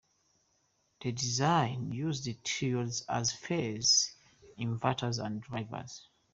The design used triodes as phase inverters and drivers.